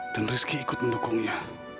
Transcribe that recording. dan rizky ikut mendukungnya